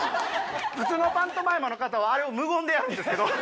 普通のパントマイマーの方はあれを無言でやるんですけど。